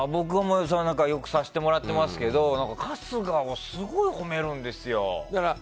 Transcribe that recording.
よくさせてもらってますけど春日を褒めるんですよ。